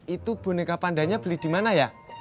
itu boneka pandanya beli dimana ya